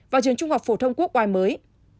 và trường trung học phổ thông quốc oai mới